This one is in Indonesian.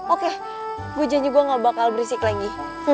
oke gue janji gue gak bakal berisik lagi